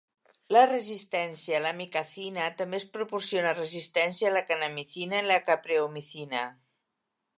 La resistència a l'amikacina també proporciona resistència a la kanamicina i la capreomicina.